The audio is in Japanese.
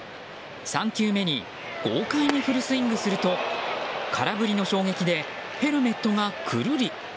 ３球目に豪快にフルスイングすると空振りの衝撃でヘルメットがくるり。